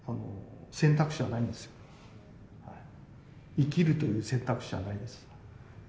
生きるという選択肢はないんです。